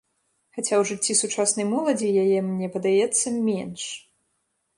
Хаця ў жыцці сучаснай моладзі яе, мне падаецца, менш.